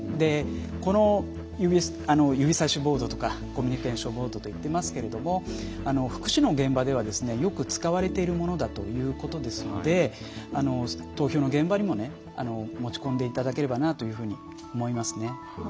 この指さしボードとかコミュニケーションボードと言っていますけれども福祉の現場ではよく使われているものだということですので投票の現場にも持ち込んでいただければなというふうに思いますね。